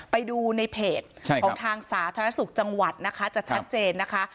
ไปดูในเพจของทางสาธารณสุขจังหวัดนะคะจะชัดเจนนะคะ